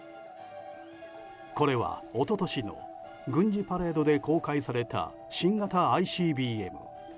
これは、一昨年の軍事パレードで公開された新型ＩＣＢＭ。